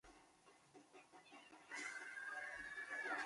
后又封为定陶王。